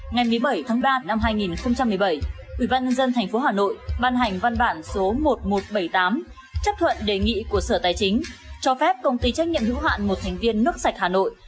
ngày một mươi bảy tháng ba năm hai nghìn một mươi bảy ubnd tp hà nội ban hành văn bản số một nghìn một trăm bảy mươi tám chấp thuận đề nghị của sở tài chính cho phép công ty trách nhiệm hữu hạn một thành viên nước sạch hà nội